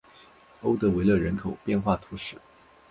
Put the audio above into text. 欧德维勒人口变化图示